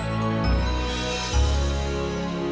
itu saya sudah sabari